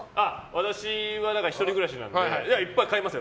私は１人暮らしなのでいっぱい買いますよ。